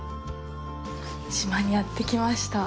島にやってきました。